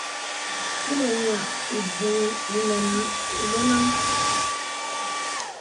Kilə̀ ǹyàk ìbūū ìnə lɔnàŋ.